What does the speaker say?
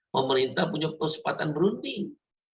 pemerintah punya kesempatan berunding